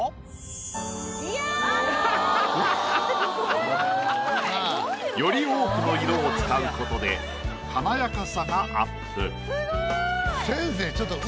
すごい！より多くの色を使うことで華やかさがアップ。